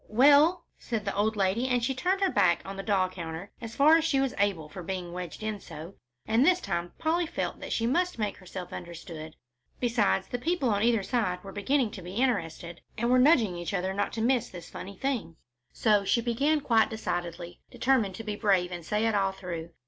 "Well?" said the old lady, and she turned her back on the doll counter as far as she was able for being wedged in so, and this time Polly felt that she must make herself understood. Besides, the people on either side were beginning to be interested, and were nudging each other not to miss this funny thing. So she began quite decidedly, determined to be brave and say it all through.